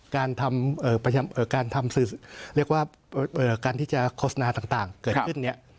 การทำสื่อเรียกว่าการที่จะโฆษณาต่างเกิดขึ้น